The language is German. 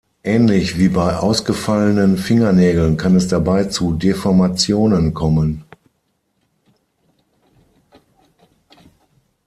Ähnlich wie bei ausgefallenen Fingernägeln kann es dabei zu Deformationen kommen.